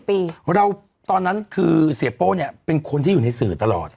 เราตอนนั้นคือเสียโป้เนี่ยเป็นคนที่อยู่ในสื่อตลอด